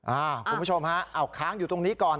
คุณผู้ชมฮะเอาค้างอยู่ตรงนี้ก่อน